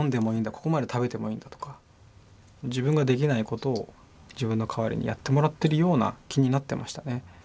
ここまで食べてもいいんだとか自分ができないことを自分の代わりにやってもらってるような気になってましたね。